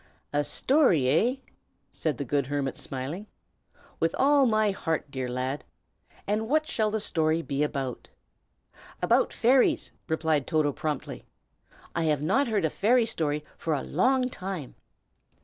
"A story, hey?" said the good hermit, smiling. "With all my heart, dear lad! And what shall the story be about?" "About fairies!" replied Toto, promptly. "I have not heard a fairy story for a long time."